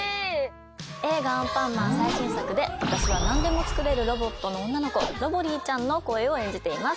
映画『アンパンマン』最新作で私は何でも作れるロボットの女の子ロボリィちゃんの声を演じています。